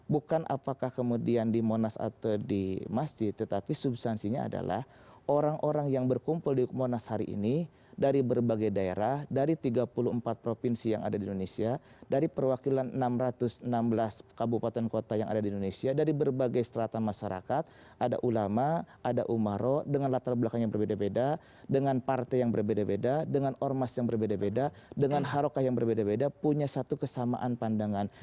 bukan apakah kemudian di monas atau di masjid tetapi substansinya adalah orang orang yang berkumpul di monas hari ini dari berbagai daerah dari tiga puluh empat provinsi yang ada di indonesia dari perwakilan enam ratus enam belas kabupaten kota yang ada di indonesia dari berbagai strata masyarakat ada ulama ada umaro dengan latar belakang yang berbeda beda dengan partai yang berbeda beda dengan ormas yang berbeda beda dengan harokah yang berbeda beda punya satu kesamaan pandangan